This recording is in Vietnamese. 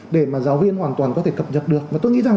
để mà giáo viên hoàn toàn có thể cập nhật được và tôi nghĩ rằng